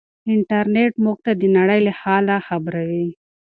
انټرنيټ موږ ته د نړۍ له حاله خبروي.